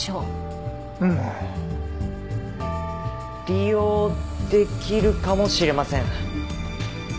利用できるかもしれません。